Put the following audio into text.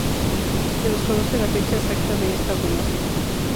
Se desconoce la fecha exacta de esta donación.